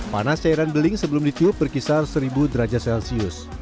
panas cairan beling sebelum ditiup berkisar seribu derajat celcius